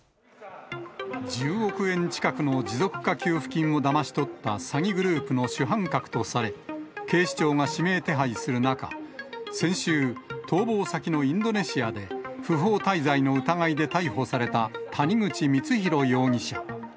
１０億円近くの持続化給付金をだまし取った詐欺グループの主犯格とされ、警視庁が指名手配する中、先週、逃亡先のインドネシアで、不法滞在の疑いで逮捕された谷口光弘容疑者。